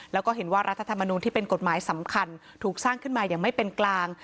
แล้วก็เห็นว่ารัฐธรรมนูลที่เป็นกฎหมายสำคัญถูกสร้างขึ้นมาอย่างไม่เป็นกลาง